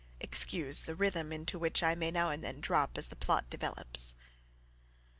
(Excuse the rhythm into which I may now and then drop as the plot develops. AUTHOR.)